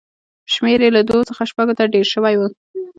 شمېر یې له دوو څخه شپږو ته ډېر شوی و